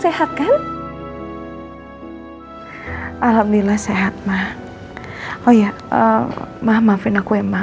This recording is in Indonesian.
selamat ulang tahun